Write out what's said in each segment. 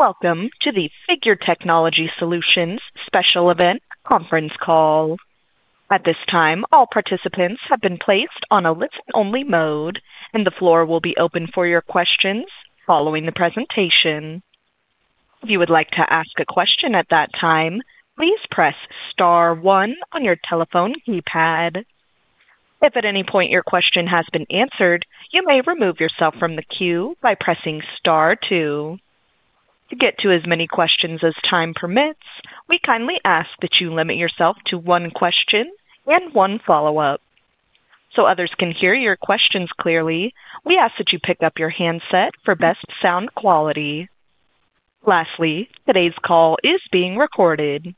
Welcome to the Figure Technology Solutions special event conference call. At this time, all participants have been placed on a listen-only mode, and the floor will be open for your questions following the presentation. If you would like to ask a question at that time, please press star one on your telephone keypad. If at any point your question has been answered, you may remove yourself from the queue by pressing star two. To get to as many questions as time permits, we kindly ask that you limit yourself to one question and one follow-up. So others can hear your questions clearly, we ask that you pick up your handset for best sound quality. Lastly, today's call is being recorded.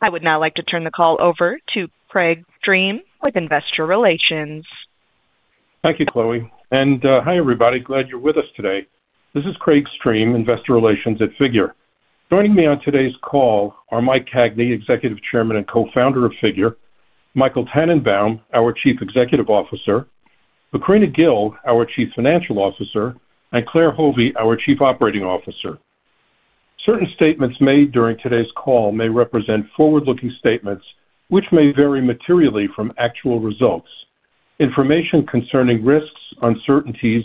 I would now like to turn the call over to Craig Stream with Investor Relations. Thank you, Chloe. Hi, everybody. Glad you're with us today. This is Craig Stream, Investor Relations at Figure. Joining me on today's call are Mike Cagney, Executive Chairman and Co-founder of Figure; Michael Tannenbaum, our Chief Executive Officer; Macrina Kgil, our Chief Financial Officer; and Claire Hove, our Chief Operating Officer. Certain statements made during today's call may represent forward-looking statements, which may vary materially from actual results. Information concerning risks, uncertainties,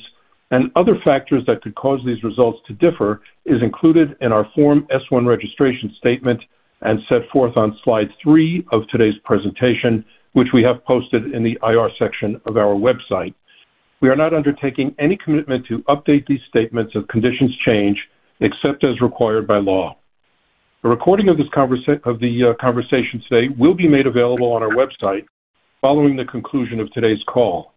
and other factors that could cause these results to differ is included in our Form S-1 registration statement and set forth on slide three of today's presentation, which we have posted in the IR section of our website. We are not undertaking any commitment to update these statements if conditions change, except as required by law. A recording of the conversation today will be made available on our website following the conclusion of today's call.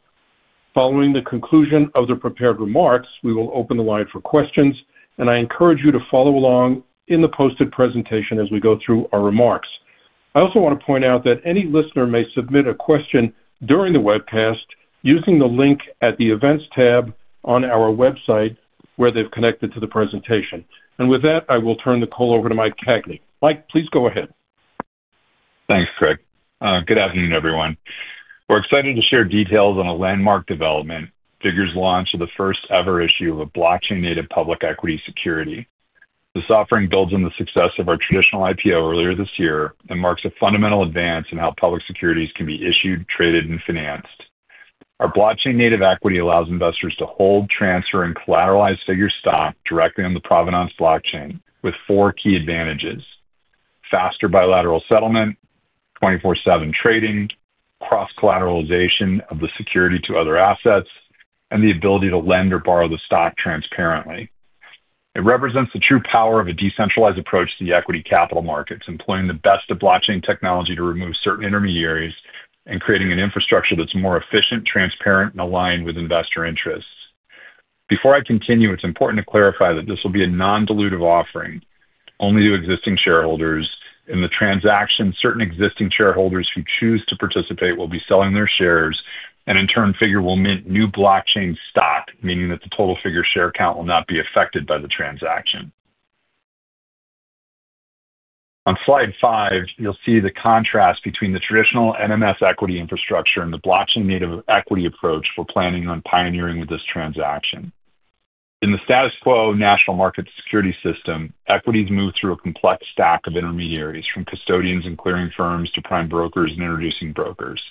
Following the conclusion of the prepared remarks, we will open the line for questions, and I encourage you to follow along in the posted presentation as we go through our remarks. I also want to point out that any listener may submit a question during the webcast using the link at the Events tab on our website where they have connected to the presentation. With that, I will turn the call over to Mike Cagney. Mike, please go ahead. Thanks, Craig. Good afternoon, everyone. We're excited to share details on a landmark development: Figure's launch of the first-ever issue of a Blockchain-native public equity security. This offering builds on the success of our traditional IPO earlier this year and marks a fundamental advance in how public securities can be issued, traded, and financed. Our Blockchain-native equity allows investors to hold, transfer, and collateralize Figure stock directly on the Provenance Blockchain, with four key advantages: faster bilateral settlement, 24/7 trading, cross-collateralization of the security to other assets, and the ability to lend or borrow the stock transparently. It represents the true power of a decentralized approach to the equity capital markets, employing the best of blockchain technology to remove certain intermediaries and creating an infrastructure that's more efficient, transparent, and aligned with investor interests. Before I continue, it's important to clarify that this will be a non-dilutive offering only to existing shareholders. In the transaction, certain existing shareholders who choose to participate will be selling their shares, and in turn, Figure will mint new blockchain stock, meaning that the total Figure share count will not be affected by the transaction. On slide five, you'll see the contrast between the traditional NMS equity infrastructure and the Blockchain-native equity approach we're planning on pioneering with this transaction. In the status quo national market security system, equities move through a complex stack of intermediaries, from custodians and clearing firms to prime brokers and introducing brokers.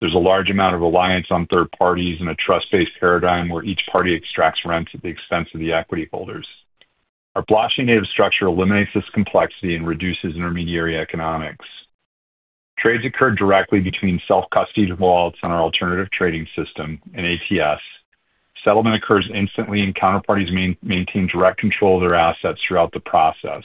There's a large amount of reliance on third parties and a trust-based paradigm where each party extracts rents at the expense of the equity holders. Our Blockchain-native structure eliminates this complexity and reduces intermediary economics. Trades occur directly between self-custody wallets and our alternative trading system, an ATS. Settlement occurs instantly, and counterparties maintain direct control of their assets throughout the process.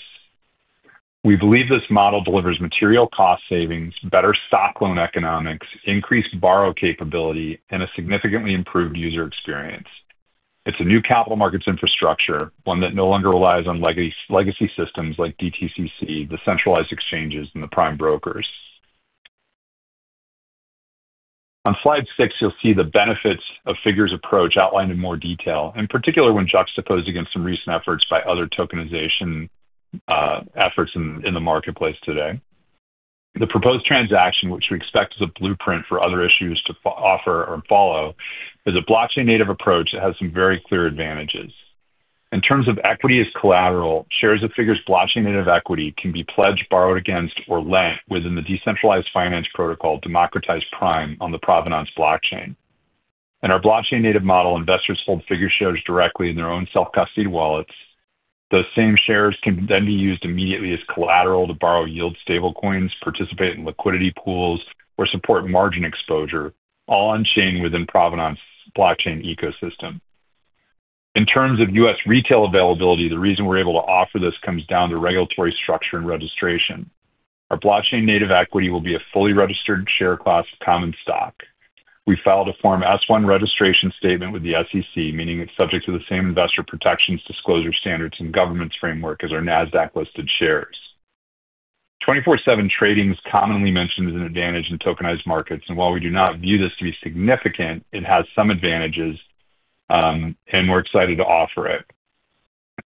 We believe this model delivers material cost savings, better stock loan economics, increased borrow capability, and a significantly improved user experience. It is a new capital markets infrastructure, one that no longer relies on legacy systems like DTCC, the centralized exchanges, and the prime brokers. On slide six, you will see the benefits of Figure's approach outlined in more detail, in particular when juxtaposed against some recent efforts by other tokenization efforts in the marketplace today. The proposed transaction, which we expect is a blueprint for other issuers to offer or follow, is a Blockchain-native approach that has some very clear advantages. In terms of equity as collateral, shares of Figure's Blockchain-native equity can be pledged, borrowed against, or lent within the decentralized finance protocol Democratized Prime on the Provenance Blockchain. In our Blockchain-native model, investors hold Figure shares directly in their own self-custody wallets. Those same shares can then be used immediately as collateral to borrow yield stablecoins, participate in liquidity pools, or support margin exposure, all on-chain within Provenance Blockchain ecosystem. In terms of U.S. retail availability, the reason we're able to offer this comes down to regulatory structure and registration. Our Blockchain-native equity will be a fully registered share class of common stock. We filed a Form S-1 registration statement with the SEC, meaning it's subject to the same investor protections, disclosure standards, and governance framework as our Nasdaq-listed shares. 24/7 trading is commonly mentioned as an advantage in tokenized markets, and while we do not view this to be significant, it has some advantages, and we're excited to offer it.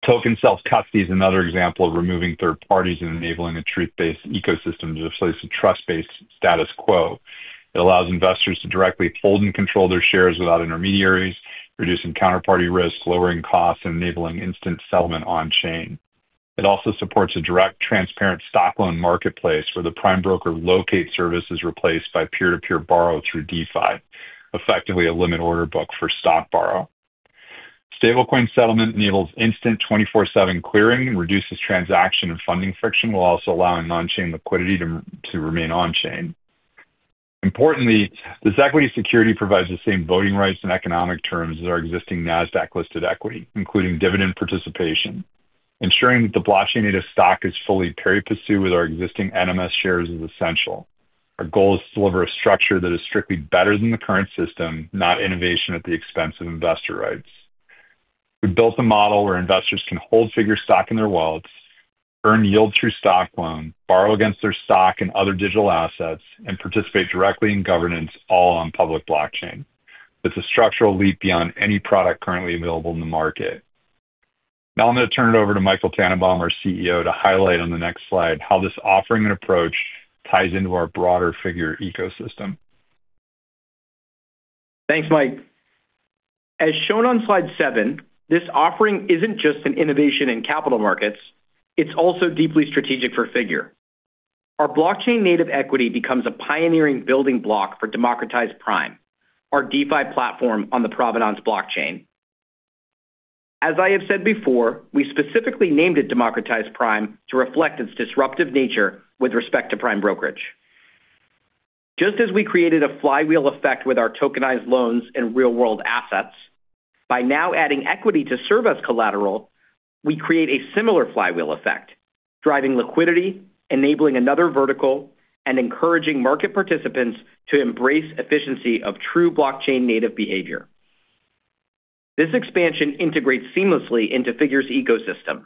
Token self-custody is another example of removing third parties and enabling a truth-based ecosystem to replace a trust-based status quo. It allows investors to directly hold and control their shares without intermediaries, reducing counterparty risk, lowering costs, and enabling instant settlement on-chain. It also supports a direct, transparent stock loan marketplace where the prime broker locates services replaced by peer-to-peer borrow through DeFi, effectively a limit order book for stock borrow. Stablecoin settlement enables instant 24/7 clearing and reduces transaction and funding friction while also allowing on-chain liquidity to remain on-chain. Importantly, this equity security provides the same voting rights and economic terms as our existing Nasdaq-listed equity, including dividend participation. Ensuring that the Blockchain-native stock is fully pari passu with our existing NMS shares is essential. Our goal is to deliver a structure that is strictly better than the current system, not innovation at the expense of investor rights. We built a model where investors can hold Figure stock in their wallets, earn yield through stock loan, borrow against their stock and other digital assets, and participate directly in governance, all on public blockchain. It's a structural leap beyond any product currently available in the market. Now I'm going to turn it over to Michael Tannenbaum, our CEO, to highlight on the next slide how this offering and approach ties into our broader Figure ecosystem. Thanks, Mike. As shown on slide seven, this offering isn't just an innovation in capital markets. It's also deeply strategic for Figure. Our Blockchain-native equity becomes a pioneering building block for Democratized Prime, our DeFi platform on the Provenance Blockchain. As I have said before, we specifically named it Democratized Prime to reflect its disruptive nature with respect to prime brokerage. Just as we created a flywheel effect with our tokenized loans and real-world assets, by now adding equity to serve as collateral, we create a similar flywheel effect, driving liquidity, enabling another vertical, and encouraging market participants to embrace efficiency of true Blockchain-native behavior. This expansion integrates seamlessly into Figure's ecosystem,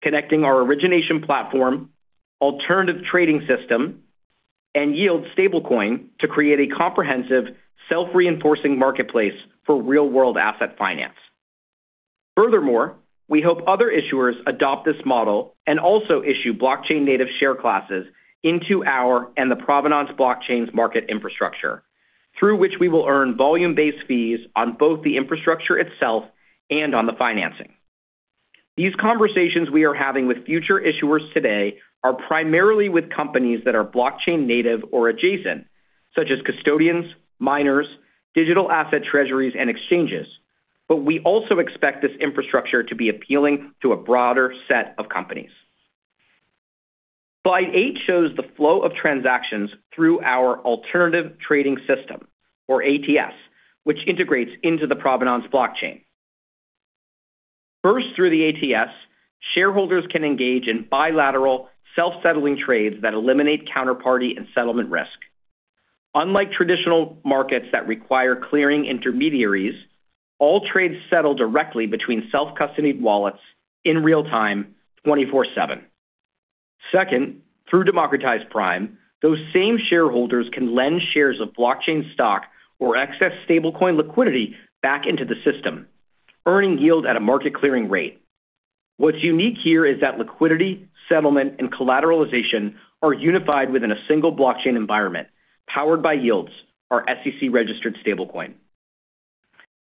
connecting our origination platform, alternative trading system, and yield stablecoin to create a comprehensive, self-reinforcing marketplace for real-world asset finance. Furthermore, we hope other issuers adopt this model and also issue Blockchain-native share classes into our and the Provenance Blockchain's market infrastructure, through which we will earn volume-based fees on both the infrastructure itself and on the financing. These conversations we are having with future issuers today are primarily with companies that are Blockchain-native or adjacent, such as custodians, miners, digital asset treasuries, and exchanges, but we also expect this infrastructure to be appealing to a broader set of companies. Slide eight shows the flow of transactions through our alternative trading system, or ATS, which integrates into the Provenance Blockchain. First, through the ATS, shareholders can engage in bilateral, self-settling trades that eliminate counterparty and settlement risk. Unlike traditional markets that require clearing intermediaries, all trades settle directly between self-custody wallets in real time, 24/7. Second, through Democratized Prime, those same shareholders can lend shares of blockchain stock or excess stablecoin liquidity back into the system, earning yield at a market-clearing rate. What's unique here is that liquidity, settlement, and collateralization are unified within a single blockchain environment powered by YLDS, our SEC-registered stablecoin.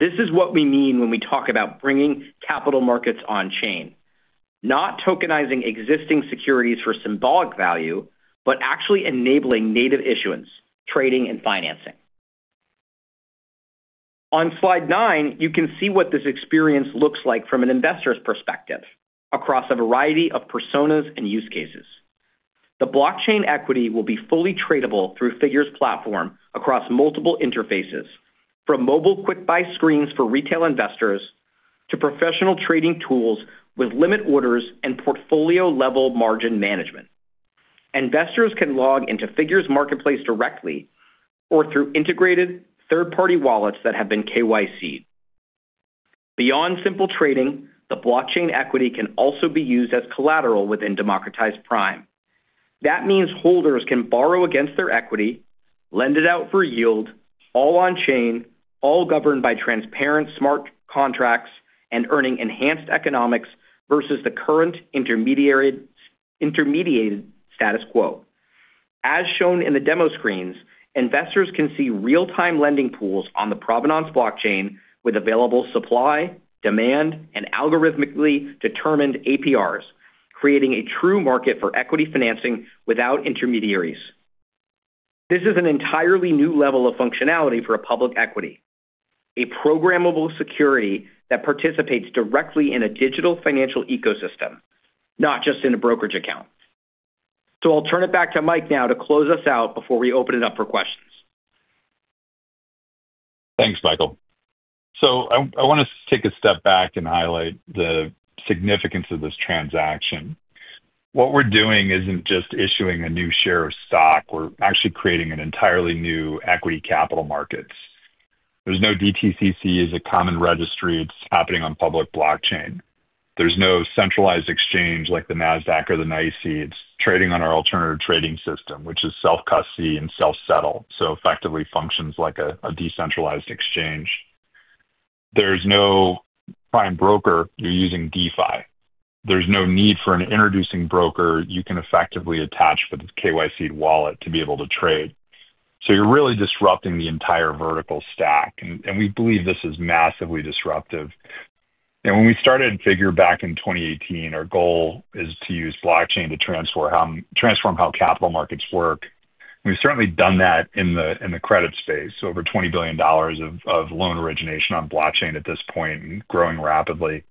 This is what we mean when we talk about bringing capital markets on-chain, not tokenizing existing securities for symbolic value, but actually enabling native issuance, trading, and financing. On slide nine, you can see what this experience looks like from an investor's perspective across a variety of personas and use cases. The blockchain equity will be fully tradable through Figure's platform across multiple interfaces, from mobile quick-buy screens for retail investors to professional trading tools with limit orders and portfolio-level margin management. Investors can log into Figure's marketplace directly or through integrated third-party wallets that have been KYC'd. Beyond simple trading, the blockchain equity can also be used as collateral within Democratized Prime. That means holders can borrow against their equity, lend it out for yield, all on-chain, all governed by transparent, smart contracts, and earning enhanced economics versus the current intermediated status quo. As shown in the demo screens, investors can see real-time lending pools on the Provenance Blockchain with available supply, demand, and algorithmically determined APRs, creating a true market for equity financing without intermediaries. This is an entirely new level of functionality for a public equity, a programmable security that participates directly in a digital financial ecosystem, not just in a brokerage account. I will turn it back to Mike now to close us out before we open it up for questions. Thanks, Michael. I want to take a step back and highlight the significance of this transaction. What we're doing isn't just issuing a new share of stock; we're actually creating an entirely new equity capital markets. There's no DTCC as a common registry, it's happening on public blockchain. There's no centralized exchange like the Nasdaq or the NYSE, it's trading on our alternative trading system, which is self-custody and self-settle, so effectively functions like a decentralized exchange. There's no prime broker, you're using DeFi. There's no need for an introducing broker, you can effectively attach with a KYC wallet to be able to trade. You're really disrupting the entire vertical stack, and we believe this is massively disruptive. When we started Figure back in 2018, our goal is to use blockchain to transform how capital markets work. We've certainly done that in the credit space, over $20 billion of loan origination on blockchain at this point and growing rapidly.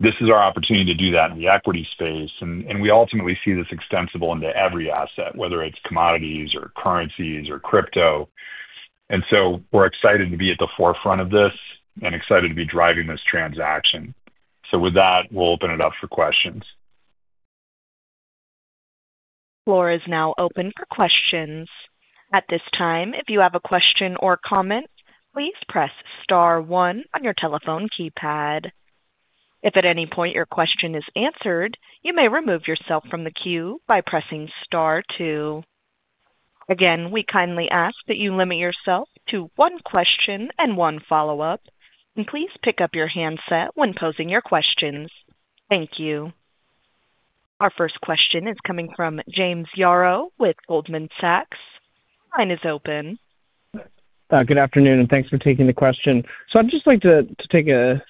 This is our opportunity to do that in the equity space, and we ultimately see this extensible into every asset, whether it's commodities or currencies or crypto. We are excited to be at the forefront of this and excited to be driving this transaction. With that, we'll open it up for questions. Floor is now open for questions. At this time, if you have a question or comment, please press star one on your telephone keypad. If at any point your question is answered, you may remove yourself from the queue by pressing star two. Again, we kindly ask that you limit yourself to one question and one follow-up, and please pick up your handset when posing your questions. Thank you. Our first question is coming from James Yarrow with Goldman Sachs. Line is open. Good afternoon, and thanks for taking the question. I'd just like to take a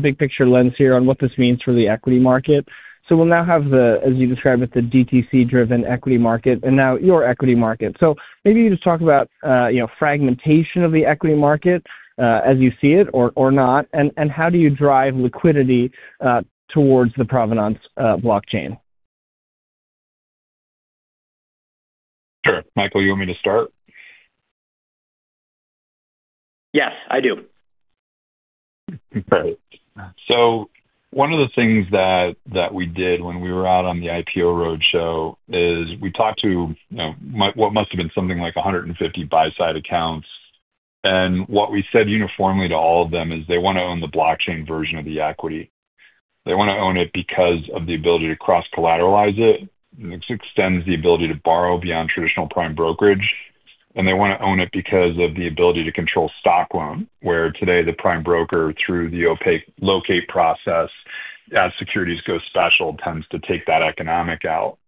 big-picture lens here on what this means for the equity market. We'll now have the, as you describe it, the DTC-driven equity market and now your equity market. Maybe you just talk about fragmentation of the equity market as you see it or not, and how do you drive liquidity towards the Provenance Blockchain? Sure. Michael, you want me to start? Yes, I do. Great. One of the things that we did when we were out on the IPO roadshow is we talked to what must have been something like 150 buy-side accounts, and what we said uniformly to all of them is they want to own the blockchain version of the equity. They want to own it because of the ability to cross-collateralize it. This extends the ability to borrow beyond traditional prime brokerage, and they want to own it because of the ability to control stock loan, where today the prime broker, through the opaque locate process, as securities go special, tends to take that economic out.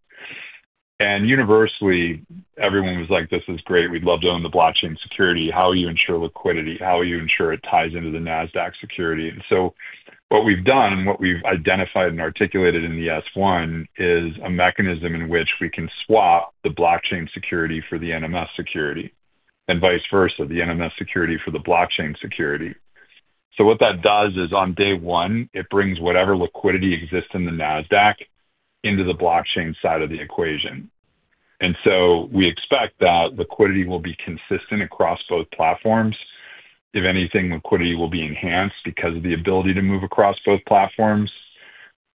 Universally, everyone was like, "This is great. We'd love to own the blockchain security. How do you ensure liquidity? How do you ensure it ties into the Nasdaq security? What we've done and what we've identified and articulated in the S-1 is a mechanism in which we can swap the blockchain security for the NMS security and vice versa, the NMS security for the blockchain security. What that does is on day one, it brings whatever liquidity exists in the Nasdaq into the blockchain side of the equation. We expect that liquidity will be consistent across both platforms. If anything, liquidity will be enhanced because of the ability to move across both platforms.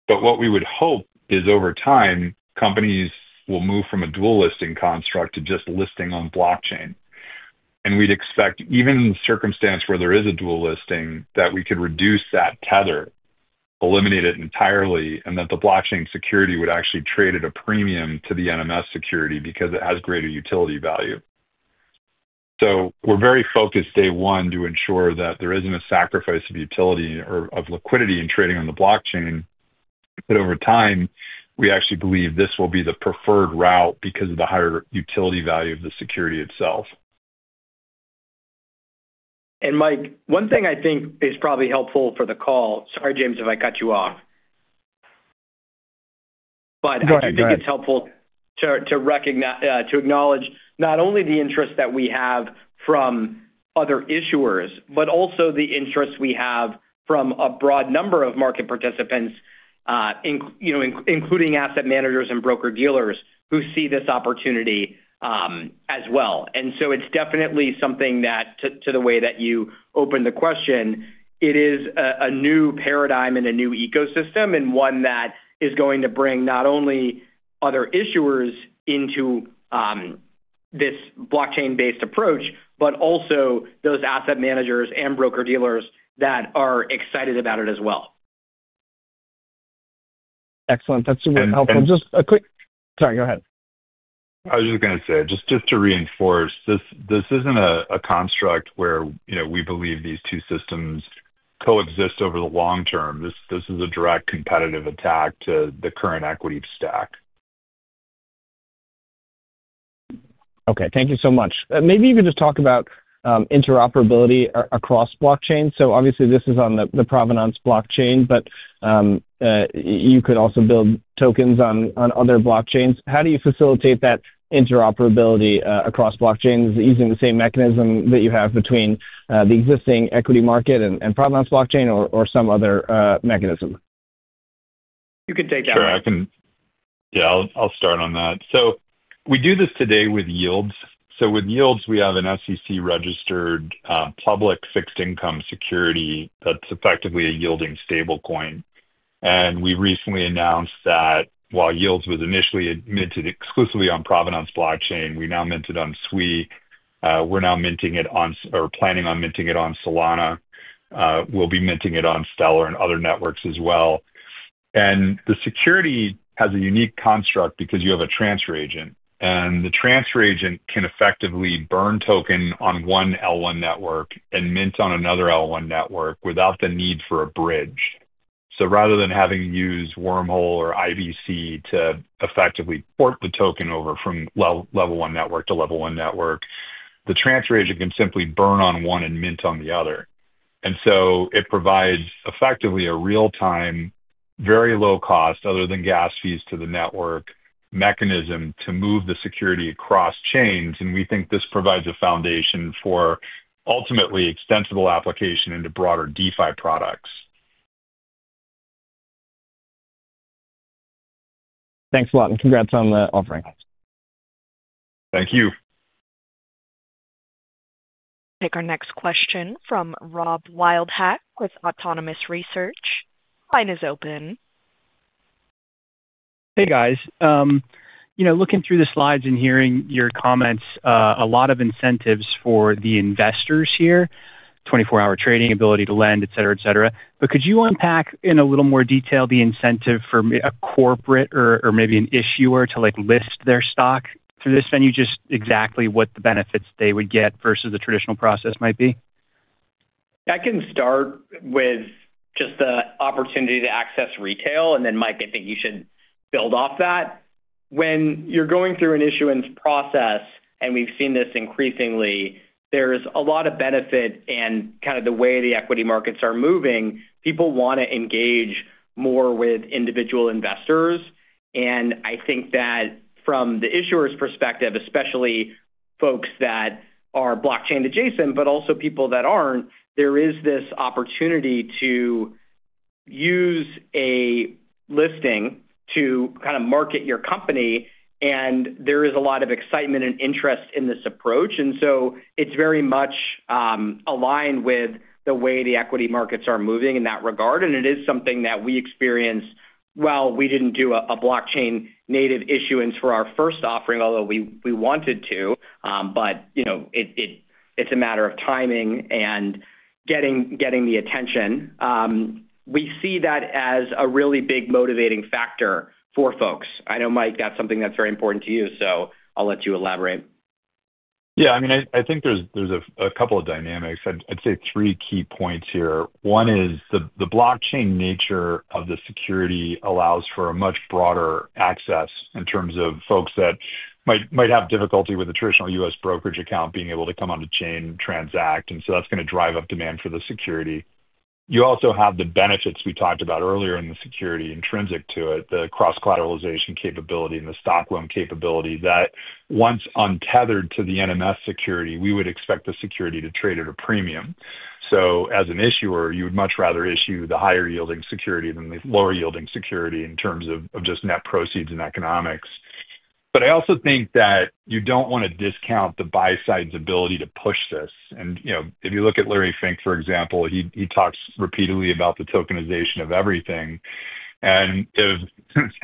What we would hope is over time, companies will move from a dual-listing construct to just listing on blockchain. We'd expect, even in the circumstance where there is a dual-listing, that we could reduce that tether, eliminate it entirely, and that the blockchain security would actually trade at a premium to the NMS security because it has greater utility value. We are very focused day one to ensure that there is not a sacrifice of utility or of liquidity in trading on the blockchain, but over time, we actually believe this will be the preferred route because of the higher utility value of the security itself. Mike, one thing I think is probably helpful for the call— Sorry, James, if I cut you off—I do think it's helpful to acknowledge not only the interest that we have from other issuers, but also the interest we have from a broad number of market participants, including asset managers and broker-dealers who see this opportunity as well. It is definitely something that, to the way that you opened the question, it is a new paradigm and a new ecosystem and one that is going to bring not only other issuers into this blockchain-based approach, but also those asset managers and broker-dealers that are excited about it as well. Excellent. That's super helpful. Just a quick—sorry, go ahead. I was just going to say, just to reinforce, this isn't a construct where we believe these two systems coexist over the long term. This is a direct competitive attack to the current equity stack. Okay. Thank you so much. Maybe you could just talk about interoperability across blockchains. Obviously, this is on the Provenance Blockchain, but you could also build tokens on other blockchains. How do you facilitate that interoperability across blockchains using the same mechanism that you have between the existing equity market and Provenance Blockchain or some other mechanism? You can take that one. Sure. I can—yeah, I'll start on that. We do this today with YLDS. With YLDS, we have an SEC-registered public fixed-income security that's effectively a yielding stablecoin. We recently announced that while YLDS was initially minted exclusively on Provenance Blockchain, we now mint it on SWI. We're now minting it on—or planning on minting it on Solana. We'll be minting it on Stellar and other networks as well. The security has a unique construct because you have a transfer agent, and the transfer agent can effectively burn token on one L1 network and mint on another L1 network without the need for a bridge. Rather than having to use Wormhole or IBC to effectively port the token over from level one network to level one network, the transfer agent can simply burn on one and mint on the other. It provides effectively a real-time, very low-cost, other than gas fees to the network, mechanism to move the security across chains, and we think this provides a foundation for ultimately extensible application into broader DeFi products. Thanks a lot, and congrats on the offering. Thank you. We'll take our next question from Rob Wildhack with Autonomous Research. Line is open. Hey, guys. Looking through the slides and hearing your comments, a lot of incentives for the investors here: 24/7 trading, ability to lend, etc., etc. Could you unpack in a little more detail the incentive for a corporate or maybe an issuer to list their stock through this venue, just exactly what the benefits they would get versus the traditional process might be? I can start with just the opportunity to access retail, and then, Mike, I think you should build off that. When you're going through an issuance process, and we've seen this increasingly, there's a lot of benefit in kind of the way the equity markets are moving. People want to engage more with individual investors, and I think that from the issuer's perspective, especially folks that are blockchain-adjacent, but also people that aren't, there is this opportunity to use a listing to kind of market your company. There is a lot of excitement and interest in this approach, and it is very much aligned with the way the equity markets are moving in that regard. It is something that we experienced while we didn't do a Blockchain-native issuance for our first offering, although we wanted to, but it's a matter of timing and getting the attention. We see that as a really big motivating factor for folks. I know, Mike, that's something that's very important to you, so I'll let you elaborate. Yeah. I mean, I think there's a couple of dynamics. I'd say three key points here. One is the blockchain nature of the security allows for a much broader access in terms of folks that might have difficulty with a traditional U.S. brokerage account being able to come on the chain, transact, and so that's going to drive up demand for the security. You also have the benefits we talked about earlier in the security intrinsic to it, the cross-collateralization capability and the stock loan capability that, once untethered to the NMS security, we would expect the security to trade at a premium. As an issuer, you would much rather issue the higher-yielding security than the lower-yielding security in terms of just net proceeds and economics. I also think that you don't want to discount the buy-side's ability to push this. If you look at Larry Fink, for example, he talks repeatedly about the tokenization of everything. If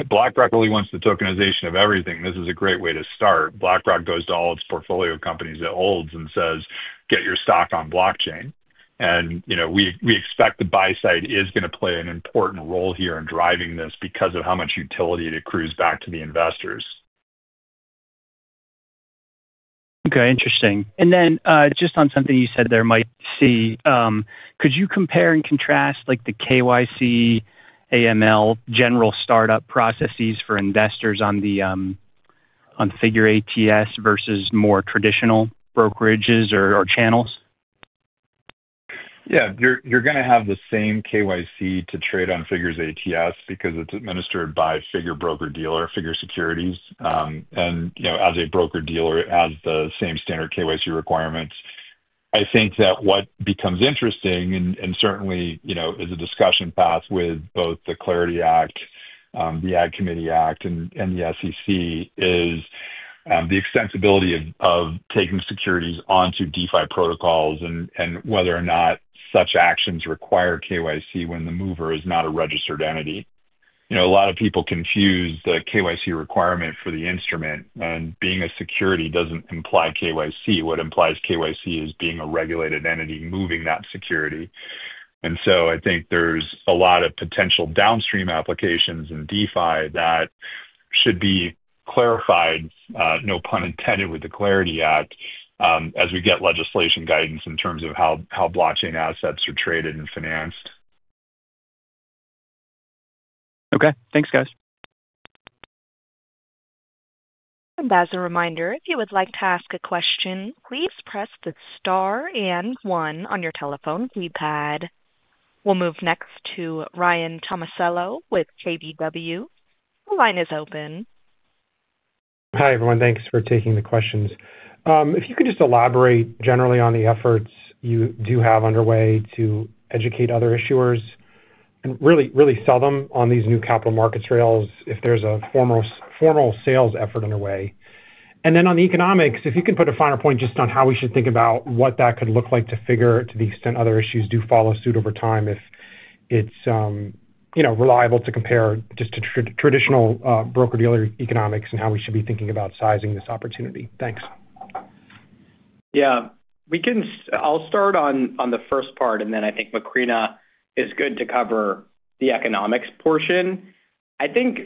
BlackRock really wants the tokenization of everything, this is a great way to start. BlackRock goes to all its portfolio companies it holds and says, "Get your stock on blockchain." We expect the buy-side is going to play an important role here in driving this because of how much utility it accrues back to the investors. Okay. Interesting. And then just on something you said there, Mike, could you compare and contrast the KYC, AML, general startup processes for investors on Figure ATS versus more traditional brokerages or channels? Yeah. You're going to have the same KYC to trade on Figure's ATS because it's administered by Figure broker-dealer, Figure Securities, and as a broker-dealer, it has the same standard KYC requirements. I think that what becomes interesting, and certainly is a discussion path with both the Clarity Act, the Ag Committee Act, and the SEC, is the extensibility of taking securities onto DeFi protocols and whether or not such actions require KYC when the mover is not a registered entity. A lot of people confuse the KYC requirement for the instrument, and being a security doesn't imply KYC. What implies KYC is being a regulated entity moving that security. I think there's a lot of potential downstream applications in DeFi that should be clarified, no pun intended, with the Clarity Act as we get legislation guidance in terms of how blockchain assets are traded and financed. Okay. Thanks, guys. As a reminder, if you would like to ask a question, please press the star and one on your telephone keypad. We'll move next to Ryan Tomasello with KBW. The line is open. Hi, everyone. Thanks for taking the questions. If you could just elaborate generally on the efforts you do have underway to educate other issuers and really sell them on these new capital markets rails if there's a formal sales effort underway. On the economics, if you can put a finer point just on how we should think about what that could look like to Figure to the extent other issuers do follow suit over time if it's reliable to compare just to traditional broker-dealer economics and how we should be thinking about sizing this opportunity. Thanks. Yeah. I'll start on the first part, and then I think Macrina is good to cover the economics portion. I think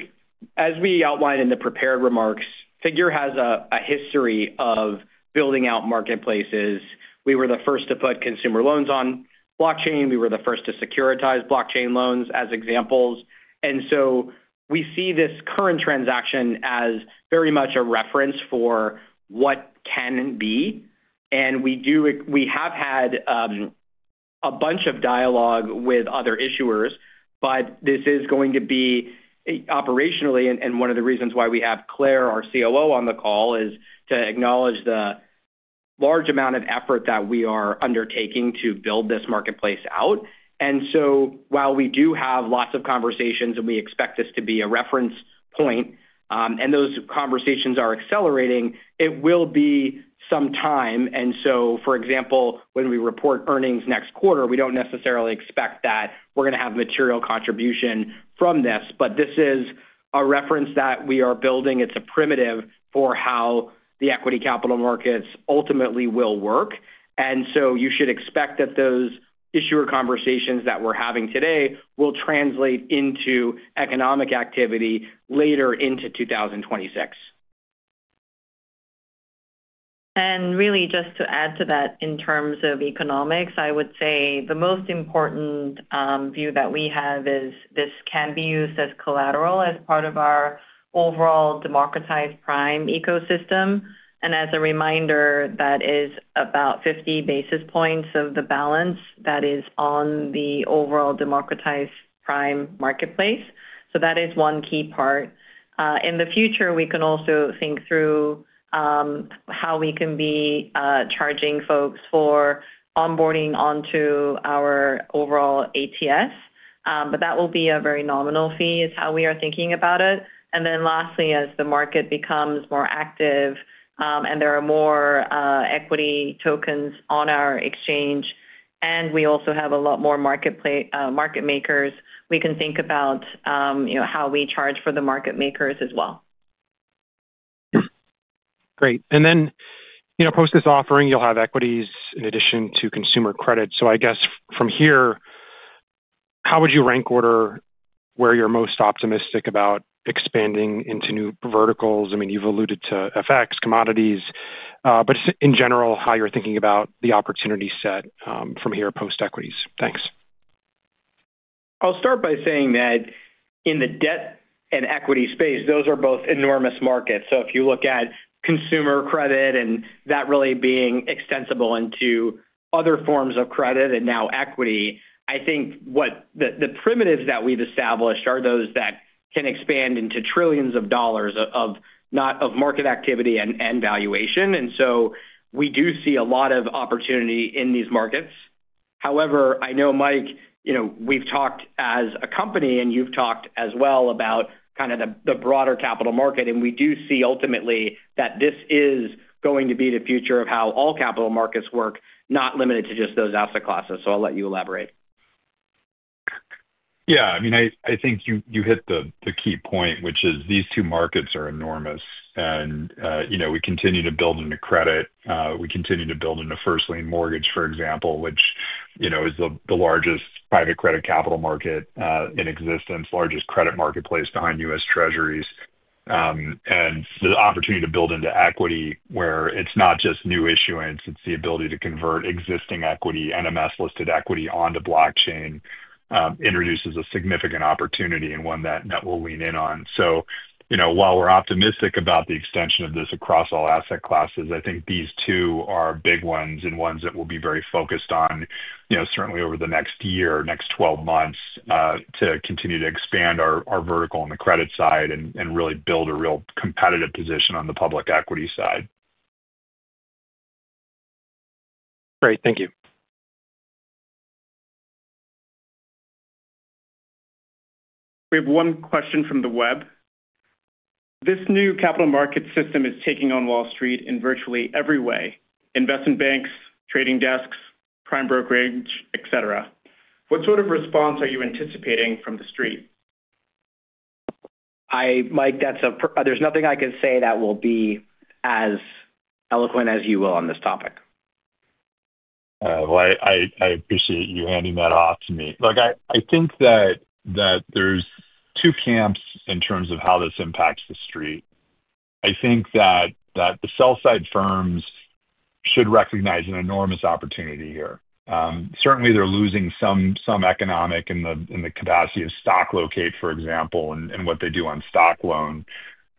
as we outlined in the prepared remarks, Figure has a history of building out marketplaces. We were the first to put consumer loans on blockchain. We were the first to securitize blockchain loans as examples. We see this current transaction as very much a reference for what can be. We have had a bunch of dialogue with other issuers, but this is going to be operationally, and one of the reasons why we have Claire, our COO, on the call is to acknowledge the large amount of effort that we are undertaking to build this marketplace out. While we do have lots of conversations and we expect this to be a reference point, and those conversations are accelerating, it will be some time. For example, when we report earnings next quarter, we do not necessarily expect that we are going to have material contribution from this, but this is a reference that we are building. It is a primitive for how the equity capital markets ultimately will work. You should expect that those issuer conversations that we are having today will translate into economic activity later into 2026. Really, just to add to that in terms of economics, I would say the most important view that we have is this can be used as collateral as part of our overall Democratized Prime ecosystem. As a reminder, that is about 50 basis points of the balance that is on the overall Democratized Prime marketplace. That is one key part. In the future, we can also think through how we can be charging folks for onboarding onto our overall ATS, but that will be a very nominal fee is how we are thinking about it. Lastly, as the market becomes more active and there are more equity tokens on our exchange, and we also have a lot more market makers, we can think about how we charge for the market makers as well. Great. Then post this offering, you'll have equities in addition to consumer credit. I guess from here, how would you rank order where you're most optimistic about expanding into new verticals? I mean, you've alluded to FX, commodities, but in general, how you're thinking about the opportunity set from here post equities. Thanks. I'll start by saying that in the debt and equity space, those are both enormous markets. If you look at consumer credit and that really being extensible into other forms of credit and now equity, I think the primitives that we've established are those that can expand into trillions of dollars of market activity and valuation. We do see a lot of opportunity in these markets. However, I know, Mike, we've talked as a company, and you've talked as well about kind of the broader capital market, and we do see ultimately that this is going to be the future of how all capital markets work, not limited to just those asset classes. I'll let you elaborate. Yeah. I mean, I think you hit the key point, which is these two markets are enormous, and we continue to build into credit. We continue to build into first-line mortgage, for example, which is the largest private credit capital market in existence, largest credit marketplace behind U.S. Treasuries. The opportunity to build into equity where it's not just new issuance, it's the ability to convert existing equity, NMS-listed equity onto blockchain introduces a significant opportunity and one that we'll lean in on. While we're optimistic about the extension of this across all asset classes, I think these two are big ones and ones that we'll be very focused on certainly over the next year, next 12 months to continue to expand our vertical on the credit side and really build a real competitive position on the public equity side. Great. Thank you. We have one question from the web. This new capital market system is taking on Wall Street in virtually every way: investment banks, trading desks, prime brokerage, etc. What sort of response are you anticipating from the street? Mike, there's nothing I can say that will be as eloquent as you will on this topic. I appreciate you handing that off to me. Look, I think that there's two camps in terms of how this impacts the street. I think that the sell-side firms should recognize an enormous opportunity here. Certainly, they're losing some economic in the capacity of stock locate, for example, and what they do on stock loan.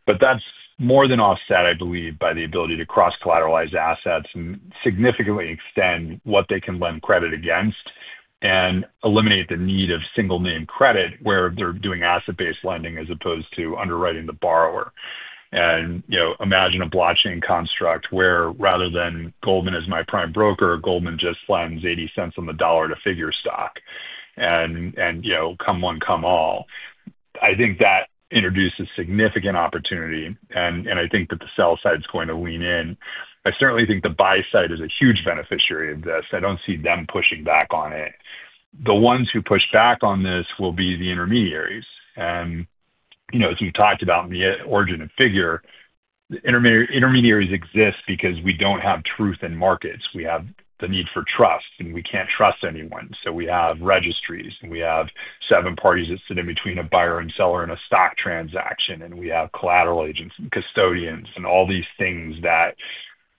That is more than offset, I believe, by the ability to cross-collateralize assets and significantly extend what they can lend credit against and eliminate the need of single-name credit where they're doing asset-based lending as opposed to underwriting the borrower. Imagine a blockchain construct where rather than Goldman is my prime broker, Goldman just lends $0.80 on the dollar to Figure stock and come one, come all. I think that introduces significant opportunity, and I think that the sell-side is going to lean in. I certainly think the buy-side is a huge beneficiary of this. I do not see them pushing back on it. The ones who push back on this will be the intermediaries. As we have talked about in the origin of Figure, the intermediaries exist because we do not have truth in markets. We have the need for trust, and we cannot trust anyone. We have registries, and we have seven parties that sit in between a buyer and seller in a stock transaction, and we have collateral agents and custodians and all these things that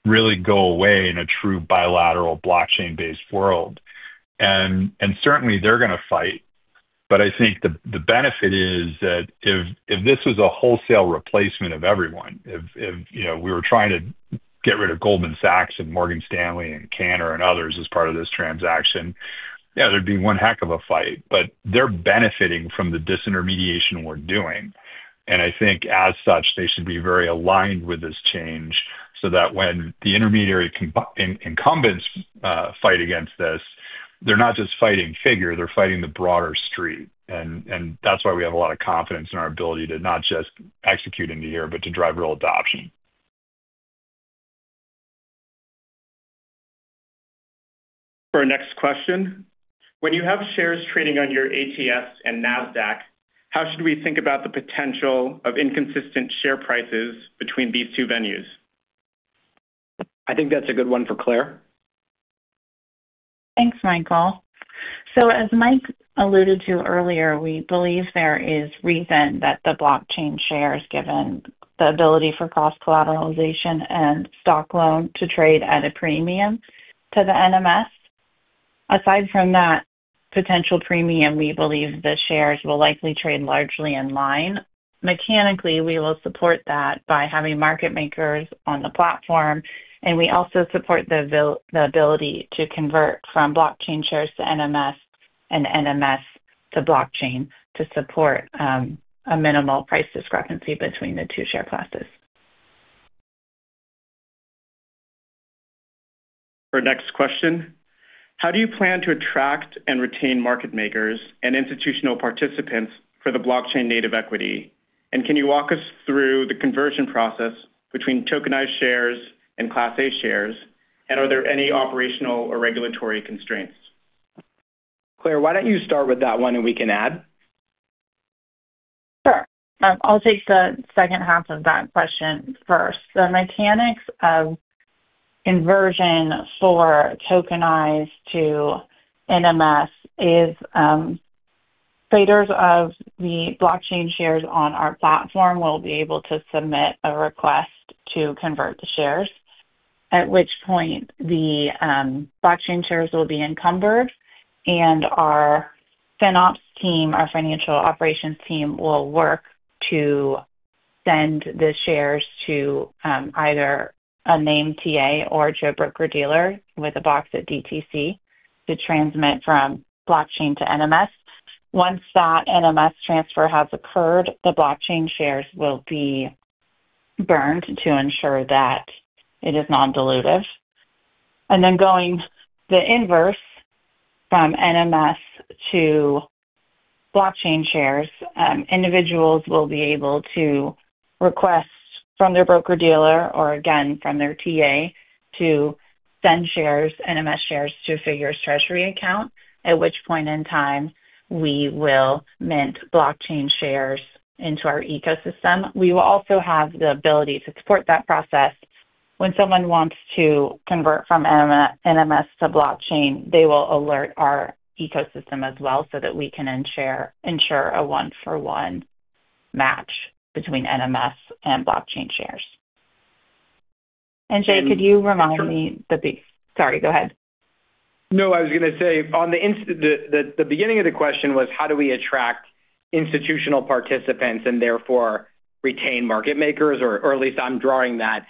really go away in a true bilateral blockchain-based world. Certainly, they're going to fight, but I think the benefit is that if this was a wholesale replacement of everyone, if we were trying to get rid of Goldman Sachs and Morgan Stanley and Cantor and others as part of this transaction, yeah, there'd be one heck of a fight. They're benefiting from the disintermediation we're doing. I think as such, they should be very aligned with this change so that when the intermediary incumbents fight against this, they're not just fighting Figure, they're fighting the broader street. That is why we have a lot of confidence in our ability to not just execute into here, but to drive real adoption. For our next question, when you have shares trading on your ATS and Nasdaq, how should we think about the potential of inconsistent share prices between these two venues? I think that's a good one for Claire. Thanks, Michael. As Mike alluded to earlier, we believe there is reason that the blockchain shares, given the ability for cross-collateralization and stock loan, to trade at a premium to the NMS. Aside from that potential premium, we believe the shares will likely trade largely in line. Mechanically, we will support that by having market makers on the platform, and we also support the ability to convert from blockchain shares to NMS and NMS to blockchain to support a minimal price discrepancy between the two share classes. For our next question, how do you plan to attract and retain market makers and institutional participants for the Blockchain-native equity? Can you walk us through the conversion process between tokenized shares and Class A shares, and are there any operational or regulatory constraints? Claire, why don't you start with that one and we can add? Sure. I'll take the second half of that question first. The mechanics of conversion for tokenized to NMS is traders of the blockchain shares on our platform will be able to submit a request to convert the shares, at which point the blockchain shares will be encumbered, and our FinOps team, our financial operations team, will work to send the shares to either a named TA or to a broker-dealer with a box at DTC to transmit from blockchain to NMS. Once that NMS transfer has occurred, the blockchain shares will be burned to ensure that it is non-dilutive. Going the inverse from NMS to blockchain shares, individuals will be able to request from their broker-dealer or, again, from their TA to send shares, NMS shares to a Figure's treasury account, at which point in time we will mint blockchain shares into our ecosystem. We will also have the ability to support that process. When someone wants to convert from NMS to blockchain, they will alert our ecosystem as well so that we can ensure a one-for-one match between NMS and blockchain shares. Jay, could you remind me the big—sorry, go ahead. No, I was going to say the beginning of the question was how do we attract institutional participants and therefore retain market makers, or at least I'm drawing that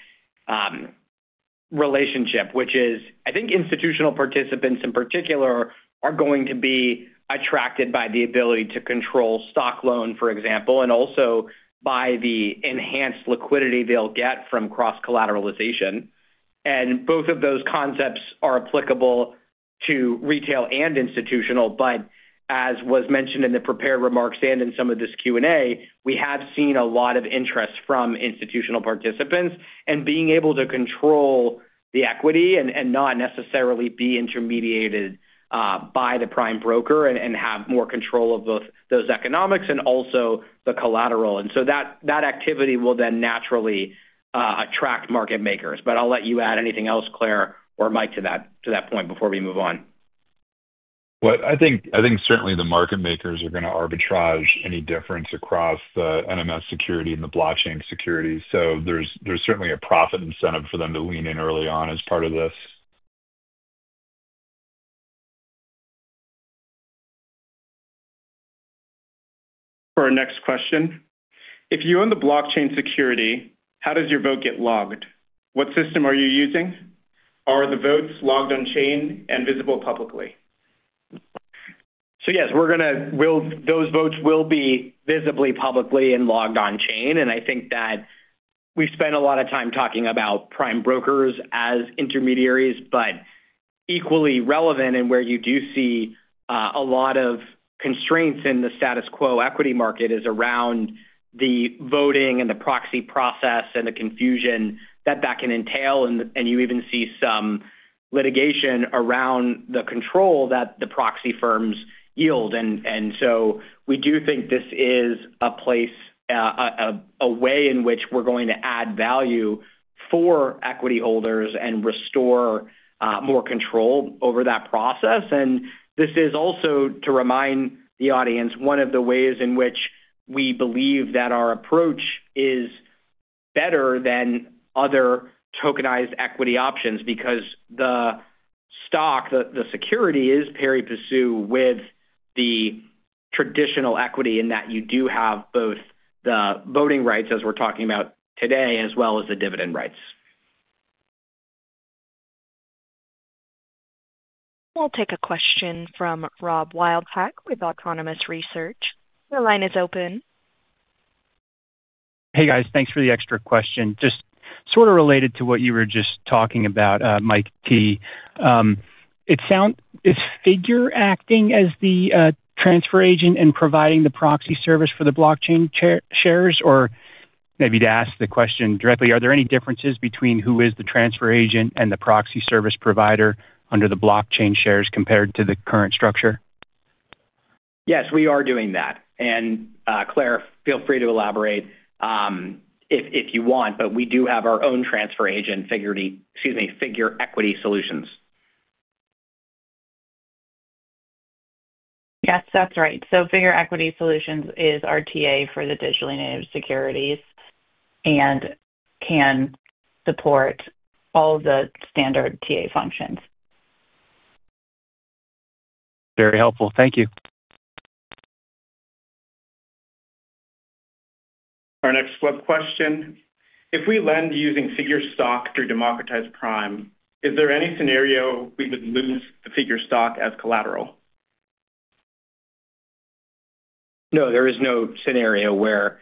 relationship, which is I think institutional participants in particular are going to be attracted by the ability to control stock loan, for example, and also by the enhanced liquidity they'll get from cross-collateralization. Both of those concepts are applicable to retail and institutional, but as was mentioned in the prepared remarks and in some of this Q&A, we have seen a lot of interest from institutional participants in being able to control the equity and not necessarily be intermediated by the prime broker and have more control of both those economics and also the collateral. That activity will then naturally attract market makers. I'll let you add anything else, Claire or Mike, to that point before we move on. I think certainly the market makers are going to arbitrage any difference across the NMS security and the blockchain security. So there's certainly a profit incentive for them to lean in early on as part of this. For our next question, if you own the blockchain security, how does your vote get logged? What system are you using? Are the votes logged on-chain and visible publicly? Yes, those votes will be visibly, publicly, and logged on-chain. I think that we've spent a lot of time talking about prime brokers as intermediaries, but equally relevant and where you do see a lot of constraints in the status quo equity market is around the voting and the proxy process and the confusion that that can entail. You even see some litigation around the control that the proxy firms yield. We do think this is a way in which we're going to add value for equity holders and restore more control over that process. This is also to remind the audience one of the ways in which we believe that our approach is better than other tokenized equity options because the stock, the security is pari passu with the traditional equity in that you do have both the voting rights as we are talking about today as well as the dividend rights. We'll take a question from Rob Wildhack with Autonomous Research. The line is open. Hey, guys. Thanks for the extra question. Just sort of related to what you were just talking about, Mike T. Is Figure acting as the transfer agent and providing the proxy service for the blockchain shares? Or maybe to ask the question directly, are there any differences between who is the transfer agent and the proxy service provider under the blockchain shares compared to the current structure? Yes, we are doing that. Claire, feel free to elaborate if you want, but we do have our own transfer agent, Figure Equity Solutions. Yes, that's right. Figure Equity Solutions is our TA for the digitally native securities and can support all the standard TA functions. Very helpful. Thank you. Our next web question. If we lend using Figure stock through Democratized Prime, is there any scenario we would lose the Figure stock as collateral? No, there is no scenario where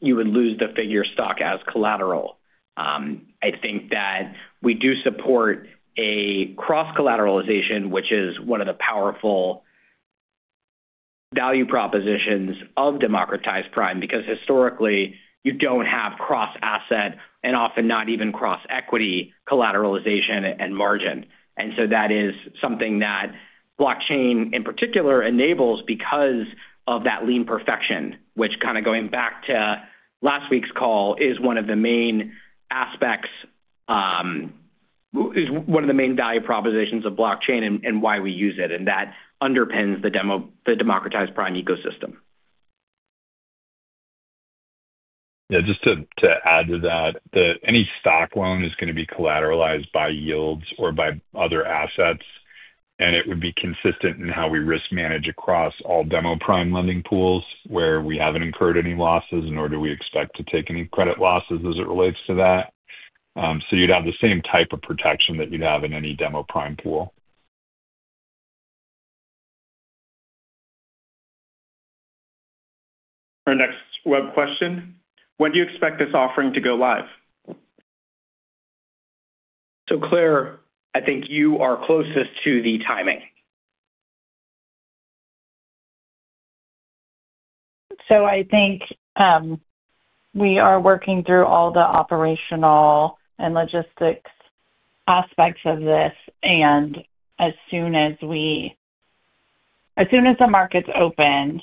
you would lose the Figure stock as collateral. I think that we do support a cross-collateralization, which is one of the powerful value propositions of Democratized Prime because historically you do not have cross-asset and often not even cross-equity collateralization and margin. That is something that blockchain in particular enables because of that lean perfection, which, kind of going back to last week's call, is one of the main aspects, is one of the main value propositions of blockchain and why we use it, and that underpins the Democratized Prime ecosystem. Yeah, just to add to that, any stock loan is going to be collateralized by YLDS or by other assets, and it would be consistent in how we risk manage across all Democratized Prime lending pools where we have not incurred any losses nor do we expect to take any credit losses as it relates to that. You would have the same type of protection that you would have in any Democratized Prime pool. Our next web question. When do you expect this offering to go live? Claire, I think you are closest to the timing. I think we are working through all the operational and logistics aspects of this, and as soon as the market's open,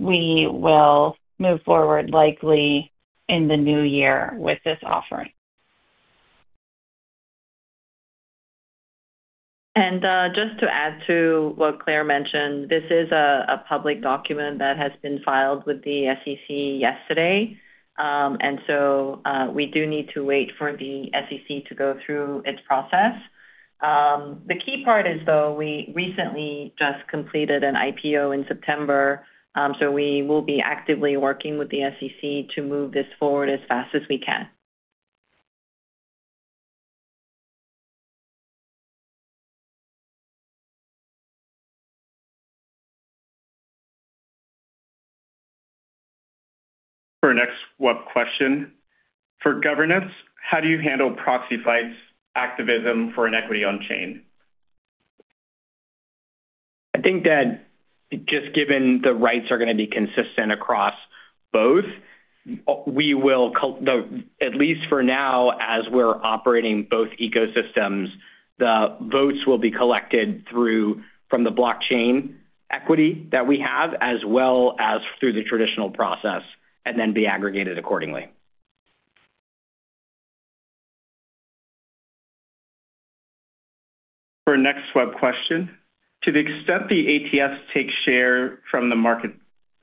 we will move forward likely in the new year with this offering. Just to add to what Claire mentioned, this is a public document that has been filed with the SEC yesterday. We do need to wait for the SEC to go through its process. The key part is, though, we recently just completed an IPO in September, so we will be actively working with the SEC to move this forward as fast as we can. For our next web question, for governance, how do you handle proxy fights, activism for an equity on-chain? I think that just given the rights are going to be consistent across both, we will, at least for now, as we are operating both ecosystems, the votes will be collected from the blockchain equity that we have as well as through the traditional process and then be aggregated accordingly. For our next web question, to the extent the ATS takes share from the market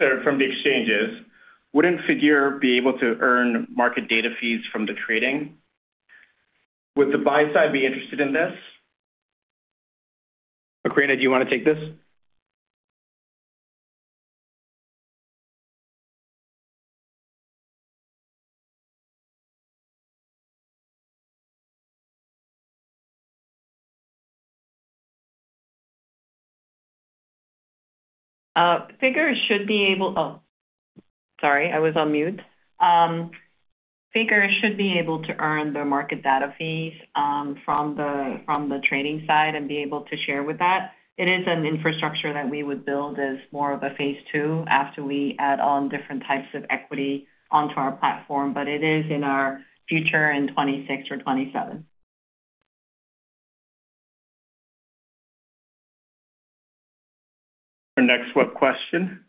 or from the exchanges, would not Figure be able to earn market data fees from the trading? Would the buy side be interested in this? Oh, Macrina, do you want to take this? Figure should be able—oh, sorry, I was on mute. Figure should be able to earn the market data fees from the trading side and be able to share with that. It is an infrastructure that we would build as more of a phase two after we add on different types of equity onto our platform, but it is in our future in 2026 or 2027. Our next web question is,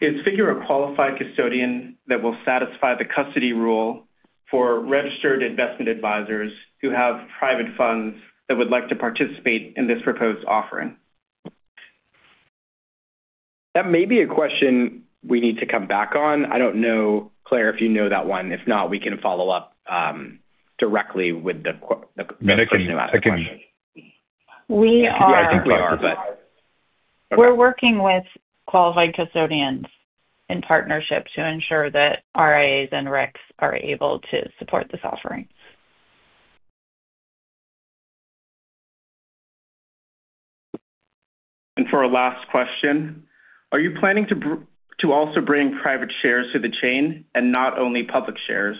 is Figure a qualified custodian that will satisfy the custody rule for registered investment advisors who have private funds that would like to participate in this proposed offering? That may be a question we need to come back on. I don't know, Claire, if you know that one. If not, we can follow up directly with the question about that. Yeah, I think we are, but. We're working with qualified custodians in partnership to ensure that RIAs and REX are able to support this offering. For our last question, are you planning to also bring private shares to the chain and not only public shares?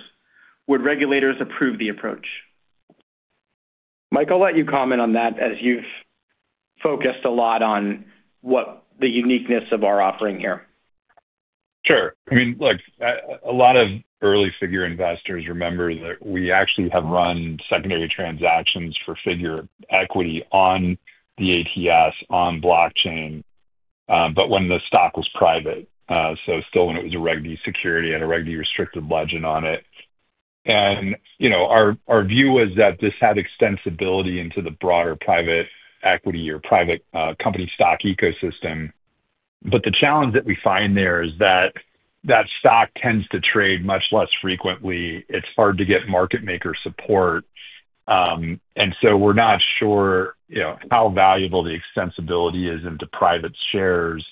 Would regulators approve the approach? Mike, I'll let you comment on that as you've focused a lot on the uniqueness of our offering here. Sure. I mean, look, a lot of early Figure investors remember that we actually have run secondary transactions for Figure equity on the ATS, on blockchain, but when the stock was private. Still, when it was a Reg D security and a Reg D restricted legend on it. Our view was that this had extensibility into the broader private equity or private company stock ecosystem. The challenge that we find there is that that stock tends to trade much less frequently. It's hard to get market maker support. We're not sure how valuable the extensibility is into private shares.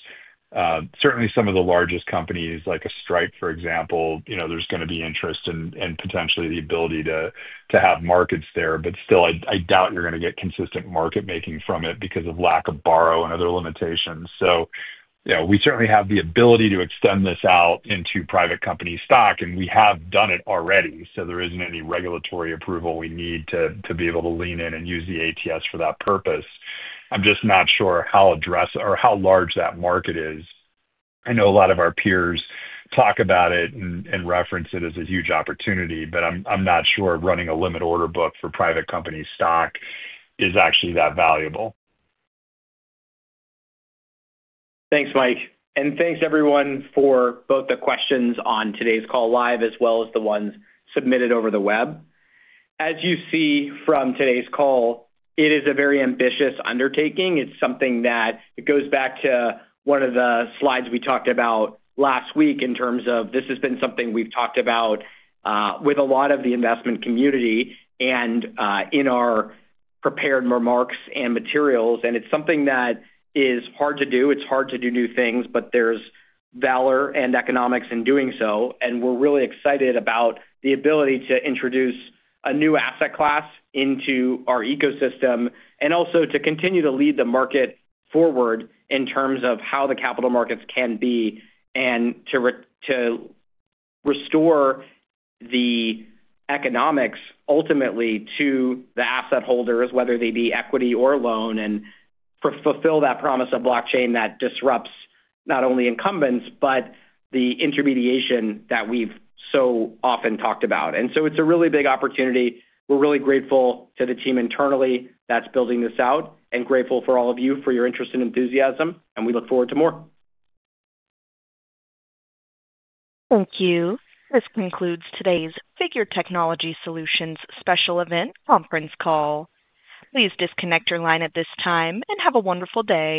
Certainly, some of the largest companies like a Stripe, for example, there's going to be interest in potentially the ability to have markets there. Still, I doubt you're going to get consistent market making from it because of lack of borrow and other limitations. We certainly have the ability to extend this out into private company stock, and we have done it already. There isn't any regulatory approval we need to be able to lean in and use the ATS for that purpose. I'm just not sure how large that market is. I know a lot of our peers talk about it and reference it as a huge opportunity, but I'm not sure running a limit order book for private company stock is actually that valuable. Thanks, Mike. Thanks, everyone, for both the questions on today's call live as well as the ones submitted over the web. As you see from today's call, it is a very ambitious undertaking. It is something that goes back to one of the slides we talked about last week in terms of this has been something we've talked about with a lot of the investment community and in our prepared remarks and materials. It is something that is hard to do. It is hard to do new things, but there is valor and economics in doing so. We're really excited about the ability to introduce a new asset class into our ecosystem and also to continue to lead the market forward in terms of how the capital markets can be and to restore the economics ultimately to the asset holders, whether they be equity or loan, and fulfill that promise of blockchain that disrupts not only incumbents, but the intermediation that we've so often talked about. It is a really big opportunity. We're really grateful to the team internally that's building this out and grateful for all of you for your interest and enthusiasm. We look forward to more. Thank you. This concludes today's Figure Technology Solutions special event conference call. Please disconnect your line at this time and have a wonderful day.